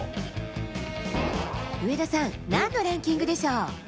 上田さん、なんのランキングでしょう。